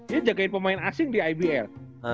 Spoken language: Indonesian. dia jagain pemain asing di ibl